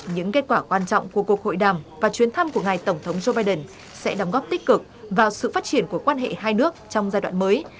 những kết quả quan trọng của cuộc hội đàm và chuyến thăm của ngài tổng thống joe biden sẽ đóng góp tích cực vào sự phát triển của quan hệ hai nước trong giai đoạn mới